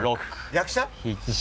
役者？